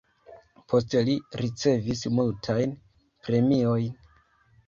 Poste li ricevis multajn premiojn.